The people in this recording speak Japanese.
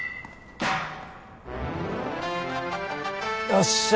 よっしゃ！